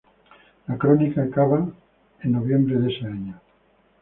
La crónica acaba en noviembre de ese año.